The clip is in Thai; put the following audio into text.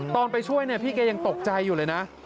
ไปช่วยเนี่ยพี่แกยังตกใจอยู่เลยนะ